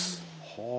はあ。